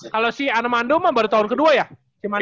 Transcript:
kalau si armando baru tahun kedua ya si armando